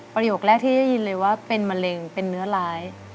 ประโยคแรกที่ได้ยินเลยว่าเป็นมะเร็งเป็นเนื้อร้าย